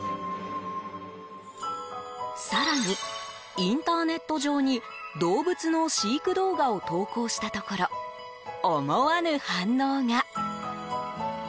更に、インターネット上に動物の飼育動画を投稿したところ思わぬ反応が。